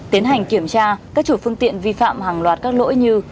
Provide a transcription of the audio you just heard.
tiến hành kiểm tra các chủ phương tiện vi phạm hàng loạt các lỗi như